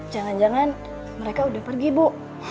jangan jangan mereka udah pergi bu